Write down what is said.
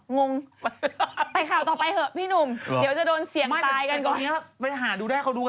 นุ่งมาดูออกล้อนนิดสิวะพี่หนุ่งมาดู